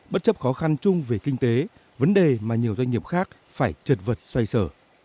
bất chấp khó khăn chung về kinh tế vấn đề mà nhiều doanh nghiệp khác phải chật vật xoay sở